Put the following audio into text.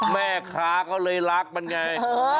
แม่ค้าเขาเลยรักมันไง